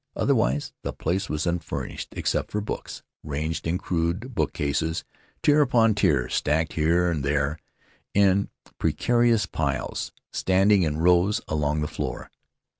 Otherwise the place was unfurnished except for books, ranged in crude bookcases, tier upon tier, stacked here and there in precarious piles, standing in rows along the floor.